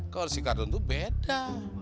kalo si kardun tuh beda